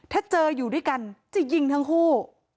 ถ้าเจออยู่ด้วยกันจะยิงทั้งคู่